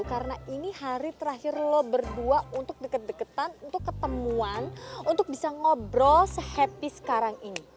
karena ini hari terakhir lo berdua untuk deket deketan untuk ketemuan untuk bisa ngobrol se happy sekarang ini